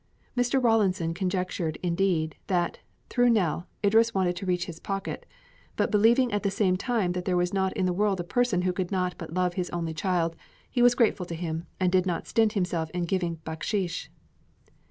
Mr. Rawlinson conjectured indeed, that, through Nell, Idris wanted to reach his pocket, but believing at the same time that there was not in the world a person who could not but love his only child, he was grateful to him and did not stint himself in giving "bakshish."